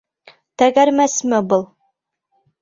— Тәгәрмәсме был?